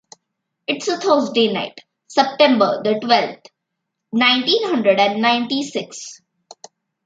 It's a Thursday night, September the twelfth, nineteen hundred and ninety six.